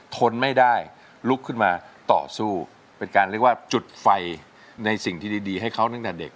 ทนไม่ได้ลุกขึ้นมาต่อสู้เป็นการเรียกว่าจุดไฟในสิ่งที่ดีให้เขาตั้งแต่เด็ก